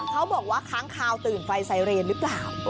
เขาบอกว่าค้างคาวตื่นไฟไซเรนหรือเปล่า